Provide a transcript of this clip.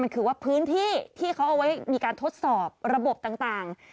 มันคือว่าพื้นที่ที่เขาเอาไว้มีการทดสอบระบบต่าง